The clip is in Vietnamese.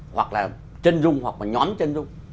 hoặc là chân rung hoặc là nhóm chân rung